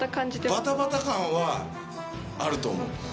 バタバタ感はあると思う。